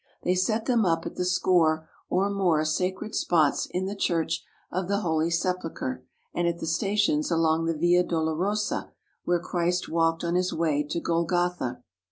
They set them up at the score or more sacred spots in the Church of the Holy Sepulchre and at the stations along the Via Dolorosa where Christ walked on His way to Golgotha.